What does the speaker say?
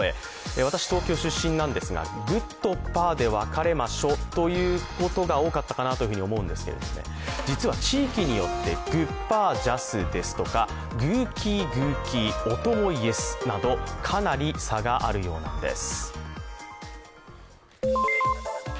私、東京出身なんですが「ぐっとぱっで分かれましょ」ということが多かったかなと思うんですけどね、実は地域によってグッパージャスですとかグーキーグーキー、オトモーイエスなどかなり差があるようなんです。